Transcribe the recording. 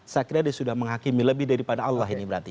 saya kira dia sudah menghakimi lebih daripada allah ini berarti